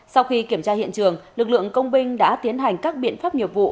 sau khi kiểm tra hiện trường lực lượng công binh đã tiến hành các biện pháp nghiệp vụ